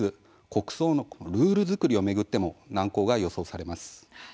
国葬のルール作りを巡っても難航が予想されます。